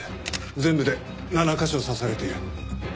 全部で７カ所刺されている。